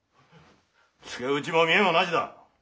ツケ打ちも見得もなしだ。